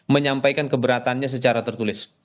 menyampaikan keberatannya secara tertulis